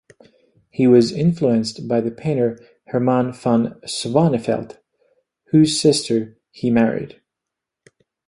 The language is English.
He was influenced by the painter Herman van Swanevelt, whose sister he married.